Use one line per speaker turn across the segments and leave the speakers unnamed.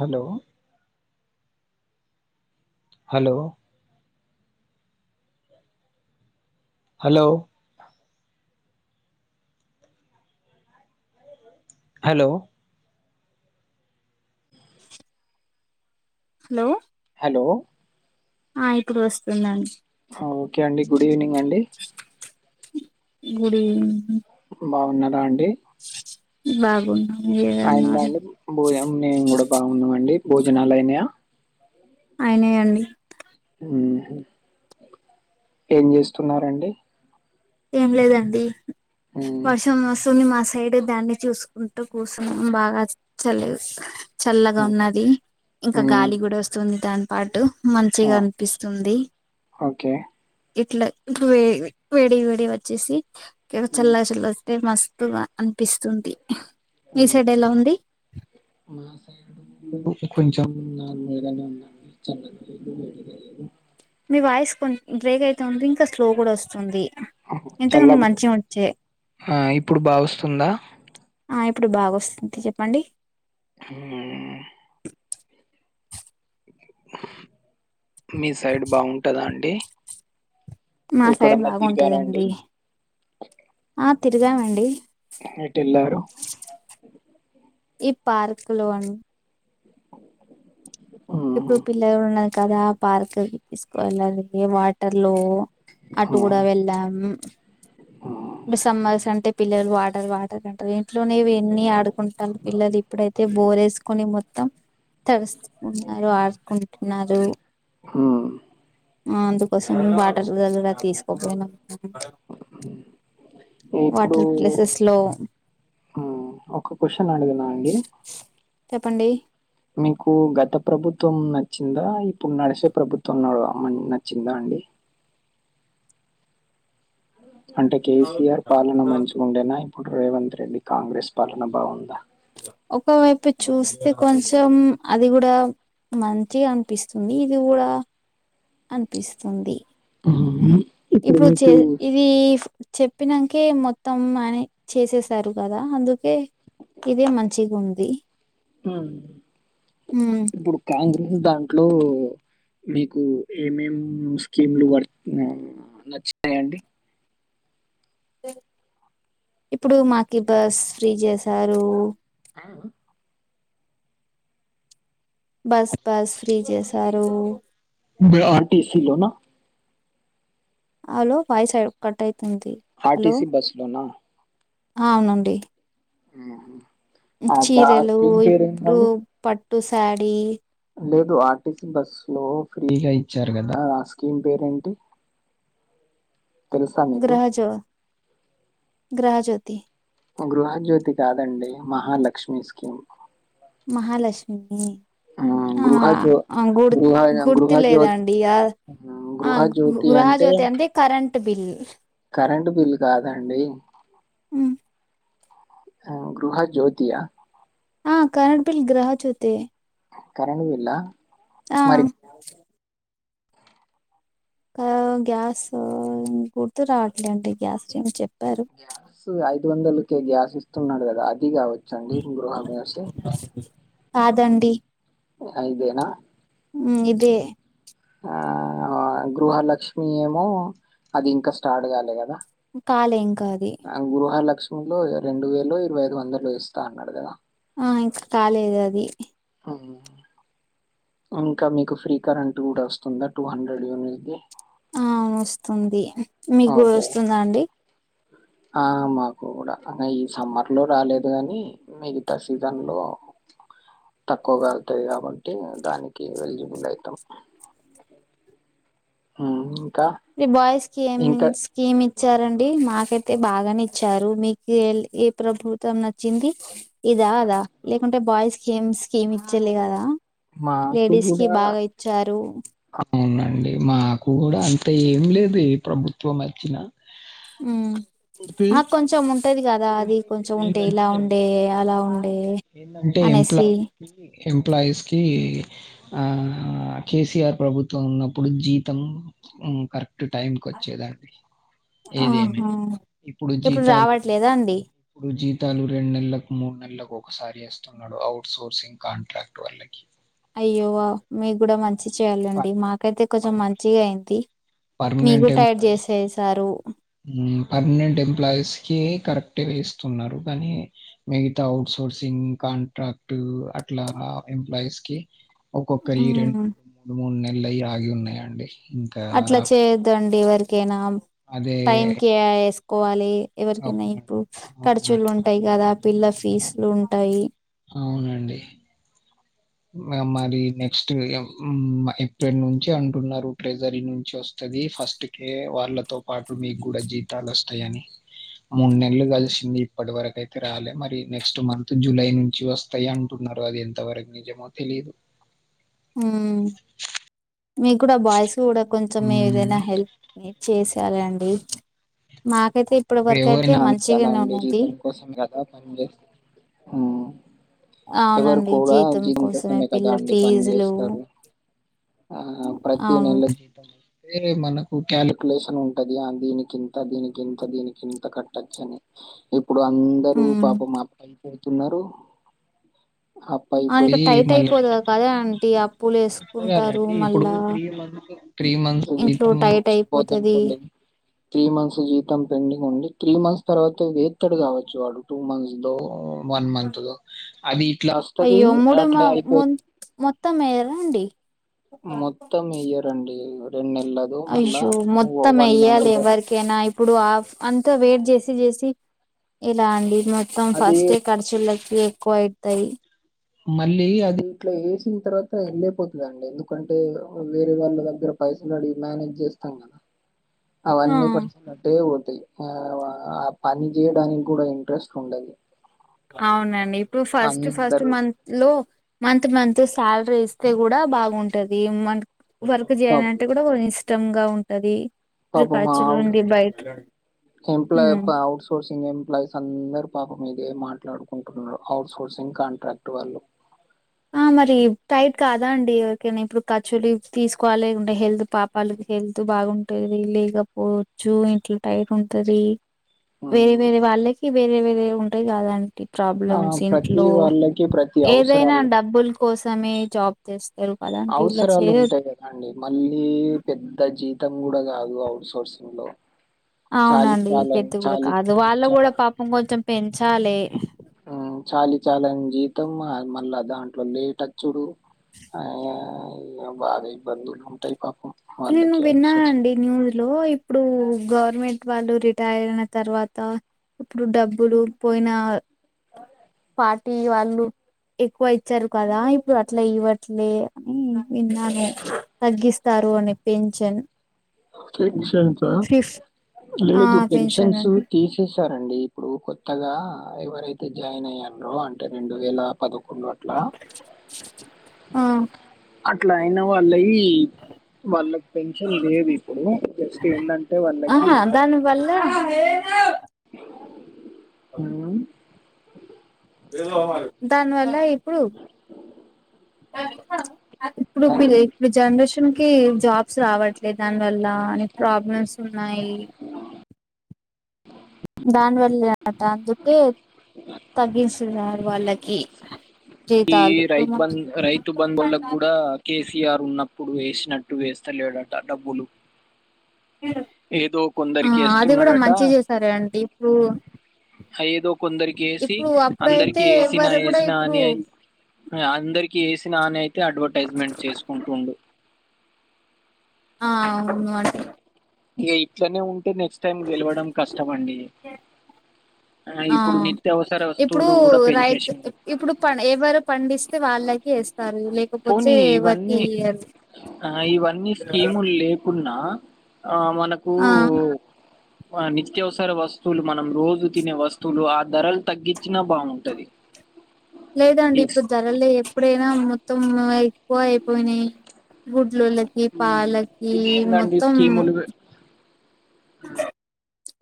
Hello hello hello hello
hello
hello
ఆ ఇప్పుడు వస్తుందండి,
ఓకే అండి గుడ్ ఈవినింగ్ అండి
గుడ్ ఈవెనింగ్
బాగున్నారా అండి,
బాగున్నాం
అయిందా
మీరన్నారు
అండి భోజం మేము కూడా బాగున్నాం, అండి భోజనాలు అయినాయా
అయిన అండీ
ఉహు ఏం ఏంచేస్తున్నారు అండీ
ఏం లేదండి
మ్మ్.
వర్షం వస్తుంది మాసై బయట దాన్ని చూసుకుంటూ కూర్చొన్నాం బాగా చలి వేస్తుంది, చల్లగా ఉన్నది ఇంకా
మ్మ్.
గాలి కూడా వస్తుంది దాని పాటు,
ఆ,
మంచిగా అనిపిస్తుంది
ఓకే
ఇట్లా ఇప్పుడు వే వేడి అడి వచ్చేసి
మ్మ్.
చల్ల చల్లొస్తే మస్తుగా అనిపిస్తుంది, మీ సైడ్
ఉహు
ఎలా ఉంది
మా సైడ్ కూడా కొంచెం అలానే ఉన్నది అండీ చల్గా లేదు లేదు
మీ వాయిస్ కొ బ్రేక్ అయితాంది, ఇంకా స్లో కూడా వస్తుంది.
చల
ఇంతకన్నా
బా
మంచిగా వచ్చే
ఆ ఇప్పుడు బాగా వస్తుందా,
ఆ ఇప్పుడు బాగావోస్తుంది చెప్పండి,
హు మీ సైడ్ బాగుంటదా అండి
మా సైడ్
ఎక్కడన్నా తిరిగారండి
బాగుంటదండి ఆ తిరిగామండి,
ఎట్టు ఎలారు
ఈ పార్క్ లోన్
హ్మ్.
ఇప్పుడు పిల్లలు ఉన్నారు కదా పార్క్ తీసుకు వెెళ్ళాలి వాటర్ లో అటు
హ్మ్.
కూడా వెళ్ళాం
హ్మ్.
ఇ సమ్మర్స్ అంటే పిల్లలు వాటర్ వాటర్ అంటారు ఇంట్లోనేవి ఎన్ని ఆడుకుంటారు పిల్లలు ఇప్పుడైతే బోర్ వేసుకుని మొత్తం తడుస్తున్నారు ఆడుకుంటున్నారు
హ్మ్
ఆ అందుకోసం వాటర్ దగర తీసుకోపోయినం
ఇప్పుడు
వాటర్ ప్లేసెస్ లో
ఒక క్వశ్చన్ అడగనా అండి
చెప్పండి
మీకు గత ప్రభుత్వం నచ్చిందా ఇప్పుడు నడిసే ప్రభుత్వం నడు నచ్చిందా అండి అంటే కేసీఆర్ పాలన మంచిగుండెనా ఇప్పుడు రేవంత్ రెడ్డి కాంగ్రెస్ పాలన బాగుందా
ఒకవైపు చూస్తే కొంచెం అది కూడా మంచిగనిపిస్తుంది ఇది కూడా అనిపిస్తుంది
హ్మ్.
ఇప్పుడు
మీకు
చేదు ఇది చెప్ ప్పినాన్కే మొత్తం అని చేసేసారు కదా అందుకే ఇదే మంచిగుంది
మ్మ్ ఇప్పుడు కాంగ్రెస్ దాంట్లో మీకు ఏమేం స్కీమ్లు వర్ నచ్చినాయండి
ఇప్పుడు మాకి బస్ ఫ్రీ చేసారు
అవున
బస్ పాస్ ఫ్రీ చేసారు
ఆర్టీ సి లో నా
హలో వాయిసడు కట్టయి
ఆర్టీసీ బస్ లోనా
అవునండి
మ్మ్
చీరలు ఇప్పుడు పట్టు శాడి
లేదు ఆర్టీసీ బస్సు లో ఫ్రీగా ఇచ్చారు కదా ఆ స్కీమ్ పేరేంటి తెలుసా మీకు
గ్రహజ్యోతి
గృహజ్యోతి కాదండి మహాలక్ష్మి స్కీమ్
మహాలక్ష్మి
ఉమ్, గృహజ్యో
ఆ గుర్
గృహ
గుర్తు
గృహజ్యోతి
లేదండి ఆ ఆ గృహ జ్యోతి అంటే కరెంట్ బిల్
కరెంటు బిల్ కాదండి
ఉమ్,
ఆ గృహ జ్యోతియ
ఆ కరెంట్ బిల్ గృహ జోతే
కరెంట్ బిల్లా
ఆ
మరి
కా గ్యాస్ గుర్తు రావట్లే అండి గ్యాస్ చెప్
గ్యాస్ ఐదు వందలకి గ్యాస్ ఇస్తున్నడు కదా అది కావ చండీ గృహ [unintelligible]
కాదండి
అయిదేనా
మ్మ్ ఇదే
ఆ గృహ లక్ష్మి ఏమో అది ఇంకా స్టార్ట్ కాలే కదా
కాలే ఇంకా అది
రొండో రెండు వేలు ఇరవై ఐదు వందలు ఇస్తా అన్నాడు కదా
ఆ ఇం కాలేదు అది
ఇంకా మీకు ఫ్రీ కరెంట్ కూడా వస్తుందా టూ హండ్రెడ్ యూనిట్ వి
అ వస్తుంది మీకు
ఓకే
వస్తుందా అండి
ఆ మాకు కూడా అ ఈ సమ్మర్ లో రాలేదు కాని మిగతా సీజన్ లో తక్కువగా కాల్తాయి కాబట్టి దానికి ఎలిజిబుల్ అవుతాం ఊ
బాయ్స్ కన్స్మ్ ఇ ఇచ్చారండి మాకైతే బాగానేచ్చారు మీకు ఏ ప్రభుత్వం నచ్చింది ఇదా అదా లేకుంటే బాయ్స్ స్కీమ్ స్కీమ్ ఇచ్చే కదా
మాకు
లేడీస్ కి
కూడా
బాగా ఇచ్చారు
అవునండి మాకు కూడా అంత ఏం లేదు ప్రభుత్వం వచ్చినా అయితే
ఆ కొంచం ఉంటది కదా అది కొంచెం ఉంటే ఇలా ఉండే అలా ఉండే
ఏంటంటే
అనేసి
ఎంప్లాయస్ కి ఎంప్లాయీస్ కి ఆ కేసీఆర్ ప్రభుత్వం ఉన్నప్పుడు జీతం కరెక్ట్ టైంకి వచ్చ వచ్చేదానికి ఏదిేమి
ఆహా
ఇప్పుడు జీతాలు
రావట్లేదా అండి
ఇప్పుడు జీత జతాలు రెండు నెలలకు మూడు నెలలకు ఒకసారి వేస్తున్నాడు అఔట్ సోర్సింగ్ కాంట్రాక్ట్ వళ్లకి
అయ్యోవా మీకు కూడా మంచి చెయ్యాలండి
పర్
మాకైతే కొంచెం
పర్మ
మంచిగా అయింది మీకు
పర్మనెంట్
టయర్
ఎంప్లాయీ
చేసేసారు
పర్మనెంట్ ఎంప్లాయీస్ కి కరెక్ట్ ఇస్తున్నారు కాగానీ మిగతా అఔట్సోర్స్ కోర్సింగ్ కాంట్రాక్ట్ అట్లా ఎంప్లాయీస్ కి ఒక్కొక్కరి రెండు
ఉమ్
రెండు మూడు మూడు నెల ఆగి ఉన్నాయండి ఇంకా
అట్లా
రావు.
చేయొద్దండి వరికైనా
అదే
టైంకి వేసుకోవాలి ఎవరికనా
అవును.
ఇప్పుడు ఖర్చులు
అవునండి.
ఉంటాయి కదా పిల్ల ఫీజులు ఉంటాయి
అవునండి మరి నెక్స్ట్ ఏప్రిల్ నుంచి అంటున్నారు ట్రెజరీ నుంచి వస్త ఫస్ట్ కేే వాళ్ళతో పాటు మీకు కూడా జీతాలు వస్తాయని మూడు నెలలు కలిసింది ఇప్పటి వరకు అయితే రాలే మరి నెక్స్ట్ మంత్ జులై నుంచి వస్తాయి అంటు న్నారు అది ఎంతవరకు నిజమో తెలిదు
మీ కూడా బాయ్స్ కూడా కొంచం
హ్మ్.
ఏదైనా హెల్ప్ చేసాలండి మాకు
ఇప్పుడు ఎవరి నాంత కదా అండి జీతం కోసం కదా పనిచస్త ఎవరు
అవునండి
కూడా
జీతం
జిన్ కోసమే కదా
పిల్ల
అండి పని
ఫీజులు
చేస్తారు ఆ ప్రతి
అవును
నెల వేరే మనకు కాలకులేషన్ ఉంటది దీనికింత దీనికింత దీనికి ఇంత కట్టచ్చ అని ఇప్పుడు అందరుూ
ఉమ్.
పాప మాపి వెళ్తున్నారు
ఆని ఇక టైట్ అయిపోతు కదే అంటీ అప్పుడు
గండి ఇప్పుడు త్రీ మంత్స్ త్రీ మంత్స్
ఇంట్లో
జీవితం
టైట్
సపోర్త్
అయిపోతది
అనుకోండి త్రీ మంత్స్ జీతం పెండింగ్ ఉండి త్రీ మంత్స్ తర్వాత ఎత్తడు కావచ్చు వాడు టూ మంత్స్ లో వన్ మంత్ లో అది ఇట్లా వస్తుంది
అయ్యో మూడు మా
అట్లా అయిపోతు
మొత్తం వేయరా అండి
మొత్తం ఇయ్యరండి రెం
అయ్యో మొత్తం వెయ్యాలి
దో
ఎవరికైనా ఇప్పుడు ఆఫ్ అంత వెయిట్ చేసి చేసి ఇలా అండి మొత్తం
అది
ఫస్ట్ ఆ ఖర్చులకి ఎక్కువ అతాయి
మళ్ళీ అది ఇట్లా వేసిన తర్వాత వెళ్ళలేపోతుందిండి ఎందుకంటే వేరే వాళ్ళ దగ్గర పైసలు అడిగి మేనేజ్ చేస్తాం కదా
ఆ
అవన్నీ పైసలు అట్టే ఆ ఆ పని చేయడానికి కూడా ఇంట్రెస్ట్ ఉండది
అవునండి ఇప్పుడు ఫస్ట్ ఫస్ట్ మంత్ లో మంత్ మంత్ శాలరీ ఇస్తే కూడా బాగుంటది మ వర్క్
పాప్
జేయనంటే కూడా ఒ ఇష్టంగా ఉంటది. ఇప్పుడు
పాపం
ఖర్చులు
మాఔట్
ఉండి బయట
ఎంప్లా
ఉమ్
ప ఔట్సోర్స్ ంగ్ ఎంప్లాయ్ అందరు పాపం ఇదే మాట్లాడుకుంటున్నారు ఔట్సోర్సింగ్ కాంట్రాక్ట్ వాళ్ళు
ఆ మరి టైట్ కాదా అండి ఓకేనా ఇప్పుడు కర్చులి తీసుకోవాలి ఉండే హెల్త్ పాపాలు హెల్త్ బాగుంటది లేకపోవచ్చు ఇంట్లో టైట్ ఉంటది. వేరే
ఉమ్,
వేరే వాళ్ళకి వేరే వేరే ఉంటయి కదాంటి.
ఆ,
ప్రాబ్లమ్స్
ప్రతి
ఇంట్లో
వాళ్ళకి ప్రతి
ఏదైనా
అవసరాలు
డబ్బుల్ కోసమే జాబ్ చేస్
అవసరాలు ఉంటాయి కదా అండి మళ్ళీ పెద్ద జీతం కూడా కాదు ఔట్సోర్సింగ్ లో చాలి
అవునండి
చాలని
పెద్ద కూడా
చాలి
కాదు వాళ్ళు కూడా
చా-
పాపం కొంచెం పెంచాలి.
ఉమ్ చాలి చాలని జీవితం మళ్ళా దాంట్లో లేటచ్చుడు అయ్ బాగా ఇబ్బందులు ఉంటాయ్ పాపం.
నేను
వాళ్ళకి అవసరం
విన్నానండి న్యూ లో ఇప్పుడు గవర్నమెంట్ వాళ్ళు రిటైర్ అయిన తర్వాత ఇప్పుడు డబ్బులు పోయిన
అవు
అట్టి వాళ్ళు ఎక్కువ ఇచ్చారు కదా ఇప్పుడు అట్లా ఇవ్వట్లే అని విన్నాను తగ్గిస్తారు అని పెంఛన్
పెన్షన్సా
ఆ
లేదు
పెన్షన్
పెన్షన్స్
అండి
తీసే సారండి ఇప్పుడు కొత్తగా ఎవరైతే జాయిన్ అయ్యిండ్రో అంటే రెండు వేల పదకొ కొండు అట్లా
ఆ
అట్ల అయిన వాళ్ళయి ఈ వాళ్ళక్ పెన్షన్ లేదు. ఇప్పుడు. జస్ట్ ఏందంటే వాళ్లకి
ఆహా దాని వల్ల
ఆ
దానివల్ల ఇప్డు ఇప్పుడు
హ
ఇప్పుడీ ఈ జనరేషన్ కి జాబ్స్ రావం అట్లే దాని వల్ల అని ప్రాబ్లమ్స్ ఉన్నాయి. దానివల్ల అట అని జెప్పి తగ్గిచ్చినారు వాళ్ళకి
ఈ
జీతాలు
రైతు బంద్ రైతు బంధు వాళ్ళకి కూడా కేసీఆర్ ఉన్నప్ ఇప్పుడు వేసినట్టు వేస్త లేడట డబ్బులు ఏదో
ఆ
కొందరికి
అది కూడా
ఏస్తున్నాడట.
మంచి చేసారే అండి ఇప్పుడు
ఏదో కొందరికి వేసి
ఇప్పుడు అప్పుడైతే
అందరికి ఏసినా
ఎవరు కూడా
ఏసినా
ఇప్పుడు
అని అందరికి ఏసినా అని అయితే అడ్వర్టైజ్మెంట్ చేసుకుంటుండు.
ఆ అవును అట్
ఇగ ఇట్లనే ఉంటే నెక్స్ట్ టైం గెలవడం కష్టం అండి. ఆ ఇప్పుడు నిత్యవ
ఇప్పుడు రైతు ఇప్పుడు పని ఎవరు పండిస్తే వాళ్ళకి వేస్తారు. లేకపోతే
పోనీ
ఎవరికి
ఇవన్నీ
ఇయ్యరు
ఇవన్నీ స్కీములే కున్నా ఆ మనకు
ఆ
ఆ నిత్యవసర వస్తువులు మనం రోజు తినే వస్తువులు ఆ ధరలు తగ్గించినా బాగుంటది.
లేదండి
ఎస్
ఇప్పుడు ధరలే ఎప్పుడైనా మొత్తం ఎక్కువ ఐపోనాయ్ గుడ్ ట్లులకి పాలకి
ఇదేందండి
మొత్తం
స్కీములు పె-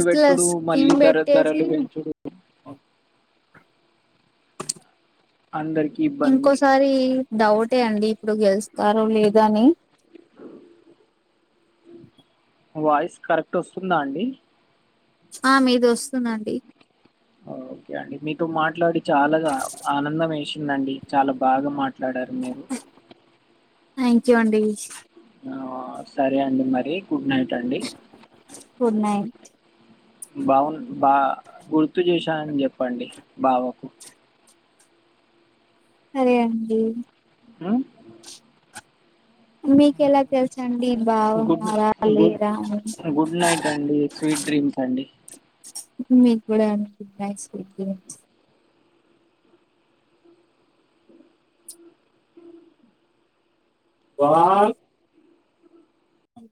ఇస్
పెట్టుడు
లస్ స్కీం
మళ్ళీ ధర
బెట్టేసి
ధరలు పెంచుడు అందరికి ఇబ్బంది
ఇంకోసారి డౌటే అండి. ఇపుడు గెలుస్తారు లేదో అని
వాయిస్ కరెక్ట్ వస్తుందా అండి.
ఆ మీది వస్తుందండి.
ఓకే అండి మీతో మాట్లాడి చాలాగా ఆనందం వేసిందండి చాలా బాగా మాట్ మాట్లాడారు మీరు
థ్యాంక్ యూ అండి
సరే అండి మరి గుడ్ నైట్ అండి.
గుడ్ నైట్
బాగు బా గుర్తు చేశానని చెప్పండి బావకు.
అరే అండి.
అ
మీకెలా తెలుసండి
గుడ్
బాగున్నారా
గుడ్
లేరా అని
గుడ్ నైట్ అండి స్వీట్ గుడ్ నైట్ అండి
మీ కూడా అండి good night sweet dreams. Van